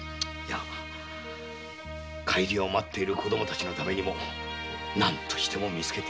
帰りを待ってる子供らのためにも何としても見つけなきゃな。